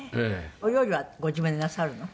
お料理はご自分でなさるの？